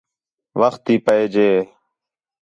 وخت تی پئے ڄے